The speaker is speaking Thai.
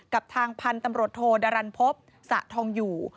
กับทางพันธ์ตำรดโธราลณภพสะทองอยู่